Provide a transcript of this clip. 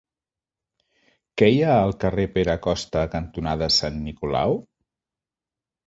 Què hi ha al carrer Pere Costa cantonada Sant Nicolau?